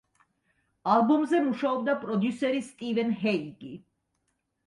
ალბომზე მუშაობდა პროდიუსერი სტივენ ჰეიგი.